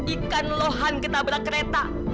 ikan lohan kita berak kereta